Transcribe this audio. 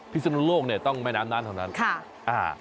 พิสุทธิ์โลกเนี่ยต้องแม่น้ำน่านเท่านั้นค่ะ